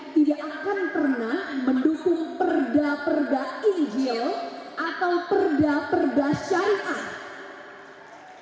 tidak akan pernah mendukung perda perda ideal atau perda perda syariah